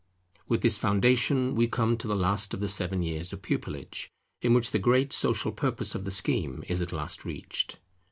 With this foundation we come to the last of the seven years of pupillage, in which the great social purpose of the scheme is at last reached.